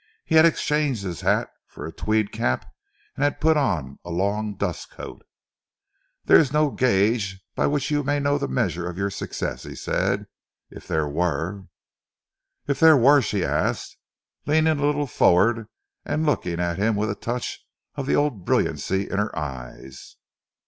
He had exchanged his hat for a tweed cap, and had put on a long dustcoat. "There is no gauge by which you may know the measure of your success," he said. "If there were " "If there were?" she asked, leaning a little forward and looking at him with a touch of the old brilliancy in her eyes.